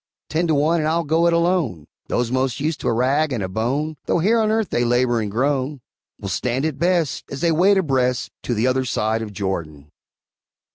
Ten to one, and I'll go it alone; Those most used to a rag and a bone, Though here on earth they labor and groan, Will stand it best, as they wade abreast To the other side of Jordan.